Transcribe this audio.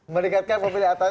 meningkatkan pemilih apatis